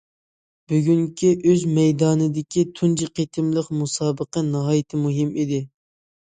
بۈگۈنكى ئۆز مەيدانىدىكى تۇنجى قېتىملىق مۇسابىقە ناھايىتى مۇھىم ئىدى.